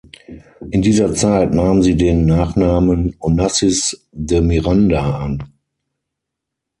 In dieser Zeit nahm sie den Nachnamen Onassis de Miranda an.